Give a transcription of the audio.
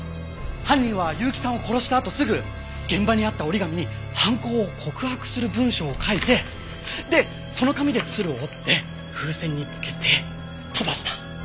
犯人は結城さんを殺したあとすぐ現場にあった折り紙に犯行を告白する文章を書いてでその紙で鶴を折って風船につけて飛ばした。